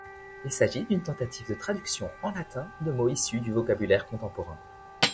Il s’agit d’une tentative de traduction en latin de mots issus du vocabulaire contemporain.